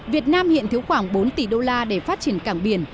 việt nam hiện thiếu khoảng bốn tỷ đô la để phát triển cảng biển